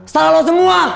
salah lo semua